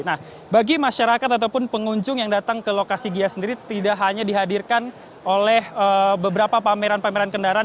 nah bagi masyarakat ataupun pengunjung yang datang ke lokasi gia sendiri tidak hanya dihadirkan oleh beberapa pameran pameran kendaraan